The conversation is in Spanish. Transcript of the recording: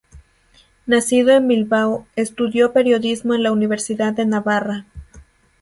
Nacido en Bilbao, estudió periodismo en la Universidad de Navarra.